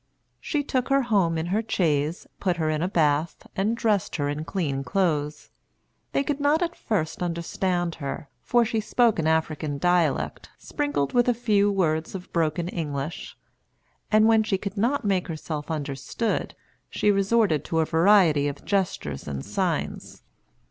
She took her home in her chaise, put her in a bath, and dressed her in clean clothes. They could not at first understand her; for she spoke an African dialect, sprinkled with a few words of broken English; and when she could not make herself understood, she resorted to a variety of gestures and signs.